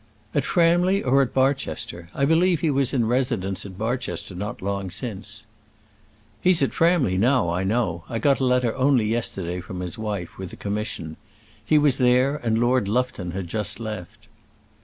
"At Framley or at Barchester? I believe he was in residence at Barchester not long since." "He's at Framley now, I know. I got a letter only yesterday from his wife, with a commission. He was there, and Lord Lufton had just left."